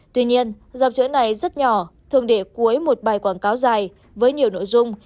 tuy nhiên dòng chữ này rất nhỏ thường để cuối một bài quảng cáo dài với nhiều nội dung